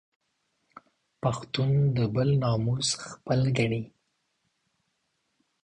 پښتون د بل ناموس خپل ګڼي